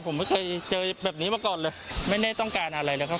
ผมไม่เคยเจอแบบนี้มาก่อนเลยไม่ได้ต้องการอะไรเลยครับ